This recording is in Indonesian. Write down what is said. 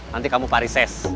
nanti kamu parises